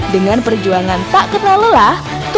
dengan perjuangan tak kena lelah